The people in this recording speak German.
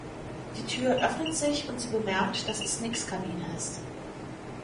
Die Tür öffnet sich und sie bemerkt, dass es Nicks Kabine ist.